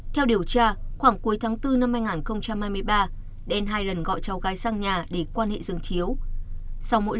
theo điều tra khoảng cuối tháng bốn năm hai nghìn hai mươi ba đen hai lần gọi cháu gái sang nhà để quan hệ rừng chiếu